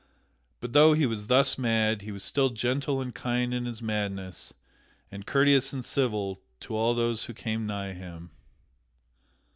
But, though he was thus mad, he was still gentle and kind in his madness and courteous and civil to all those who came nigh him.